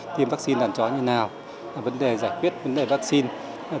tiêm vaccine đàn chó như nào là vấn đề giải quyết vấn đề vaccine